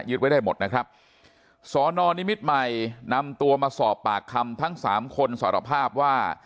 ไว้ได้หมดนะครับสอนอนิมิตรใหม่นำตัวมาสอบปากคำทั้งสามคนสารภาพว่า